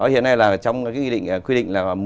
hiện nay là trong cái quy định là một mươi